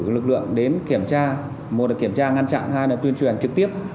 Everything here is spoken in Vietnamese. chúng tôi cử lực lượng đến kiểm tra một là kiểm tra ngăn chặn hai là tuyên truyền trực tiếp